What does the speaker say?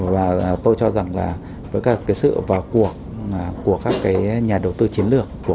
và tôi cho rằng là với cả cái sự vào cuộc của các cái nhà đầu tư chiến lược